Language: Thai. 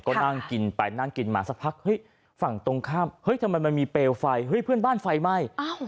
ก็นั่งกินไปนั่งกินมาสักพักเฮ้ยฝั่งตรงข้ามเฮ้ยทำไมมันมีเปลวไฟเฮ้ยเพื่อนบ้านไฟไหม้